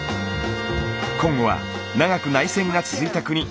コンゴは長く内戦が続いた国。